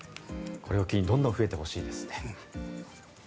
これを機にどんどん増えてほしいですね。